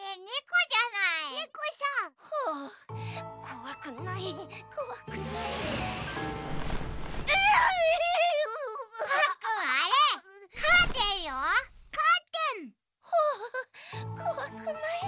こわくないこわくない。